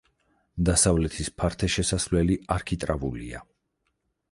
დასავლეთის ფართე შესასვლელი არქიტრავულია.